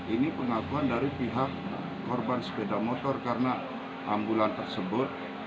ini pengakuan dari pihak korban sepeda motor karena ambulan tersebut